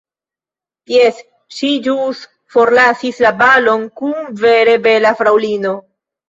Jes, ŝi ĵus forlasis la balon kun vere bela fraŭlino.